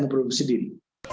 memproduksi di sini